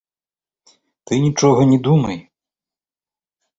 Ты нічога не думай.